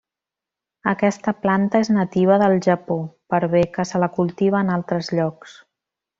Aquesta planta és nativa del Japó, per bé que se la cultiva en altres llocs.